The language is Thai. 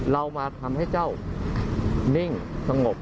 เรามาทำให้เจ้านิ่งสงบ